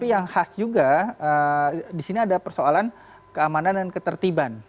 yang khas juga di sini ada persoalan keamanan dan ketertiban